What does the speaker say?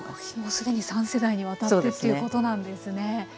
既に３世代にわたってということなんですね。